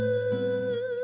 kepala kota kepala